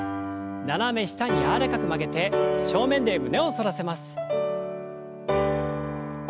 斜め下に柔らかく曲げて正面で胸を反らせます。